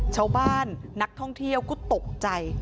ชาวบ้านนักท่องเที่ยวก็ตกใจ